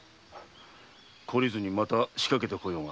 懲りずにまた仕掛けてこようが。